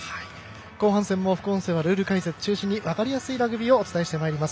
後半戦も副音声はルール解説中心に分かりやすいラグビーをお伝えしてまいります。